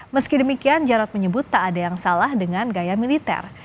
meski demikian jarod menyebut tak ada yang salah dengan gaya militer